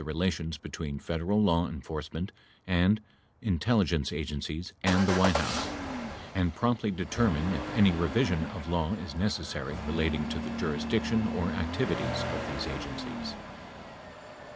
102 relations between Federal law enforcement and intelligence agencies and the White House, and promptly determine if any revision of law is necessary relating to the jurisdiction or activi ties of these agencies.